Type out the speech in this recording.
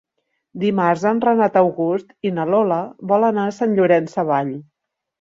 Dimarts en Renat August i na Lola volen anar a Sant Llorenç Savall.